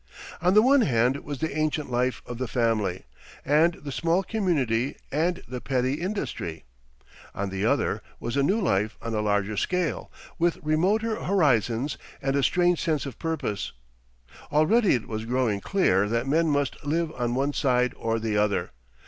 On the one hand was the ancient life of the family and the small community and the petty industry, on the other was a new life on a larger scale, with remoter horizons and a strange sense of purpose. Already it was growing clear that men must live on one side or the other.